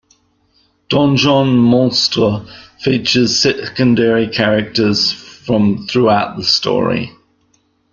"Donjon Monstres" features secondary characters from throughout the story.